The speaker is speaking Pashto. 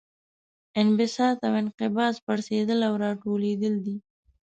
انبساط او انقباض پړسیدل او راټولیدل دي.